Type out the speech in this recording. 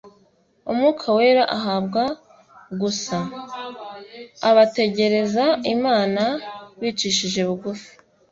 Umwuka Wera ahabwa gusa, abategereza Imana bicishije bugufi,